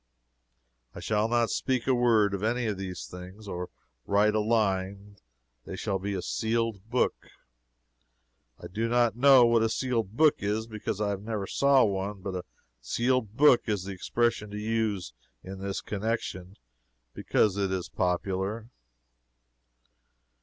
I shall not speak a word of any of these things, or write a line. They shall be as a sealed book. I do not know what a sealed book is, because I never saw one, but a sealed book is the expression to use in this connection, because it is popular.